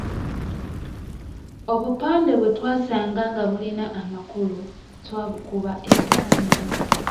Obupande bwe twasanga nga bulina amakulu twabukuba ebifaananyi.